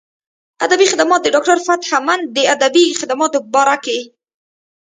ادبي خدمات د ډاکټر فتح مند د ادبي خدماتو باره کښې